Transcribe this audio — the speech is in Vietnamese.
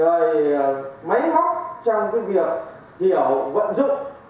rồi mấy góc trong cái việc hiểu vận dụng